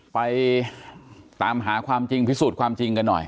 ไปตามหาความจริงพิสูจน์ความจริงกันหน่อย